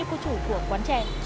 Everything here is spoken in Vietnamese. thấy được vừa chưa